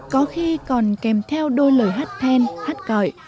có khi còn kèm theo đôi lời hát then hát cõi